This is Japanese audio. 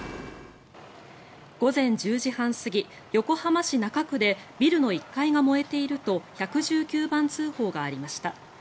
午前１０時半過ぎ横浜市中区でビルの１階が燃えていると１１９番通報がありました。